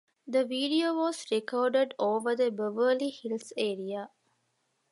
The video was recorded over the Beverly Hills area.